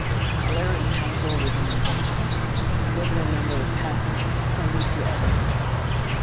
Clarence Hansell was an inventor, second in number of patents only to Edison.